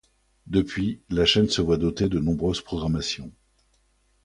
Depuis la chaîne se voit dotée de nombreuses programmations.